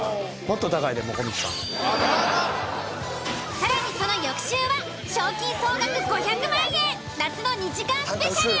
更にその翌週は賞金総額５００万円夏の２時間ＳＰ！